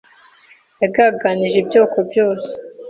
Yagaganije ibyoko byose